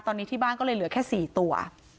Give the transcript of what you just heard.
ตอนนี้ที่บ้านก็เลยเหลือแค่๔ตัว